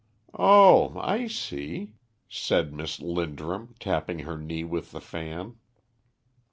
"Oh, I see," said Miss Linderham, tapping her knee with the fan.